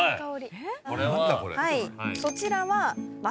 そちらは。